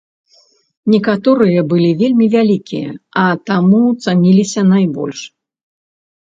Некаторыя былі вельмі вялікія, а таму цаніліся найбольш.